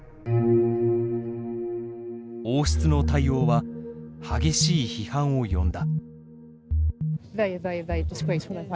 王室の対応は激しい批判を呼んだ。